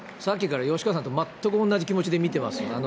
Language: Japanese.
さっきから吉川さんと、全く同じ気持ちで見てますよ。